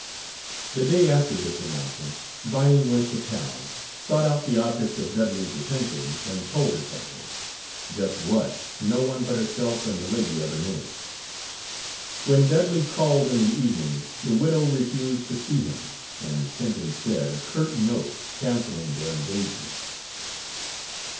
The day after this announcement Viney went to town, sought out the object of Dudley's attentions, and told her something; just what, no one but herself and the lady ever knew. When Dudley called in the evening, the widow refused to see him, and sent instead, a curt note cancelling their engagement.